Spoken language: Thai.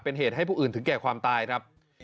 เป็นเหตุให้ผู้อื่นถึงแก่ความตายครับ